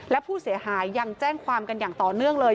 และผู้เสียหายยังแจ้งความกันอย่างต่อเนื่องเลย